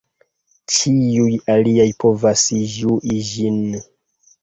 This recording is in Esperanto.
Ĉiuj aliaj povas ĝui ĝin.